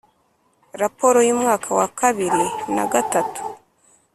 Raporo y umwaka wa bibiri na gatatu